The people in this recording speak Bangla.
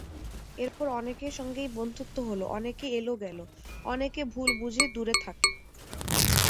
এরপর অনেকের সঙ্গেই বন্ধুত্ব হলো, অনেকে এল-গেল, অনেকে ভুল বুঝে দূরে থাকে।